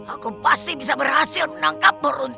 aku pasti bisa berhasil menangkapmu yerunta